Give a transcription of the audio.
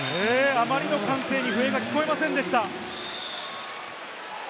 あまりの歓声に笛が聞こえませんでした。